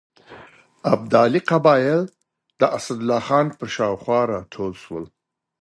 ابدالي قبایل د اسدالله خان پر شاوخوا راټول شول.